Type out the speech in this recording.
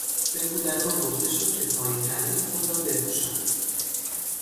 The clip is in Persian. به کودکان گفته شد که پایین تنهی خود را بپوشانند.